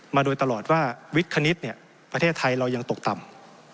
มาโดยตลอดว่าวิกคณิตประเทศไทยเรายังตกต่ำ